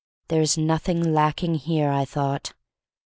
There is nothing lack ing here, I thought.